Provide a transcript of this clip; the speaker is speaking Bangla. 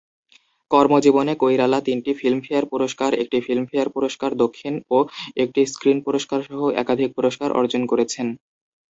কর্মজীবনে কৈরালা তিনটি ফিল্মফেয়ার পুরস্কার, একটি ফিল্মফেয়ার পুরস্কার দক্ষিণ ও একটি স্ক্রিন পুরস্কারসহ একাধিক পুরস্কার অর্জন করেছেন।